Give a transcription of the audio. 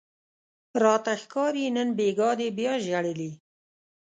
راته ښکاري نن بیګاه دې بیا ژړلي